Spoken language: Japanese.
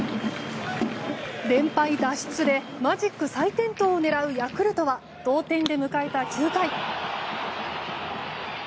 連敗脱出でマジック再点灯を狙うヤクルトは同点で迎えた９回。